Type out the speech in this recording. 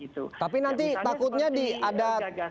tapi nanti takutnya diadap